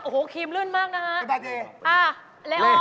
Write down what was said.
โอ้โหครีมลื่นมากนะฮะ